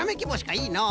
いいのう。